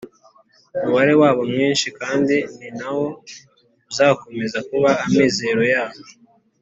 umubare wabo mwinshi, kandi ni na wo uzakomeza kuba amizero yabo